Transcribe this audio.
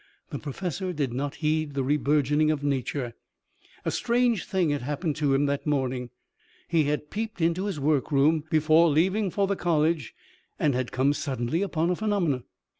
The professor did not heed the reburgeoning of nature. A strange thing had happened to him that morning. He had peeped into his workroom before leaving for the college and had come suddenly upon a phenomenon.